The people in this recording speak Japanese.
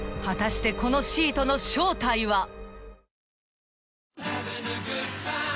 ［果たしてこのシートの正体は］